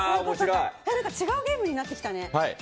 違うゲームになってきたね。